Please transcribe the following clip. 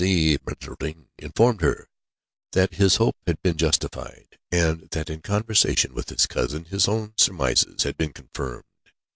Si Maïeddine informed her that his hope had been justified, and that in conversation with his cousin his own surmises had been confirmed.